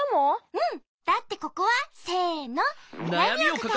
うん！